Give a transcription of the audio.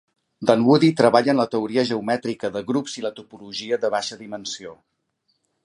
Dunwoody treballa en la teoria geomètrica de grups i la topologia de baixa dimensió.